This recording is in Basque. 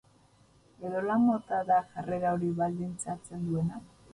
Edo lan mota da jarrera hori baldintzatzen duena?